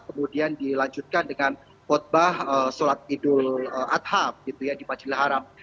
kemudian dilanjutkan dengan khutbah sholat idul adhab gitu ya di majilah haram